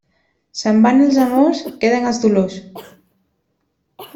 Se'n van els amors, queden els dolors.